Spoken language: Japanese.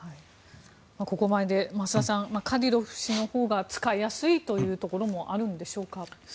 ここまでで、増田さんカディロフ氏のほうが使いやすいというところもあるんでしょうか。